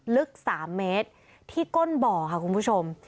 ลึก๓เมตรที่ก้นบ่อค่ะคุณผู้ชม